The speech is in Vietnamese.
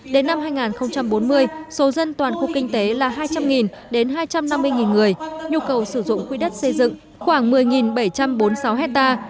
đến năm hai nghìn bốn mươi số dân toàn khu kinh tế là hai trăm linh đến hai trăm năm mươi người nhu cầu sử dụng quỹ đất xây dựng khoảng một mươi bảy trăm bốn mươi sáu hectare